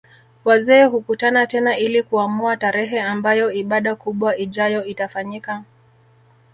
Wazee hukutana tena ili kuamua tarehe ambayo ibada kubwa ijayo itafanyika